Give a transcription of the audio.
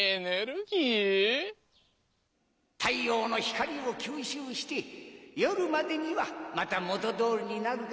太陽の光を吸収して夜までにはまた元どおりになるからね。